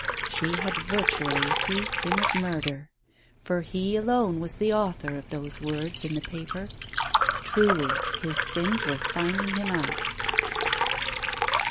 She had virtually accused him of murder. For he alone was the author of those words in the paper. Truly his sins were finding him out.